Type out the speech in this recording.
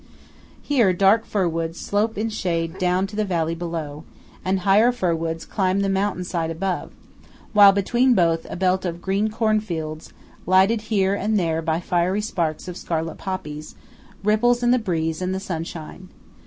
Here dark firwoods slope in shade down to the valley below; and higher firwoods climb the mountain side above; while, between both, a belt of green corn fields, lighted here and there by fiery sparks of scarlet poppies, ripples in the breeze and the sunshine.